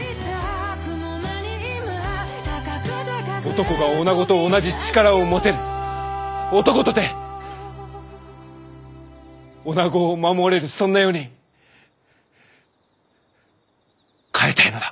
男が女と同じ力を持てる男とて女を守れるそんな世に変えたいのだ！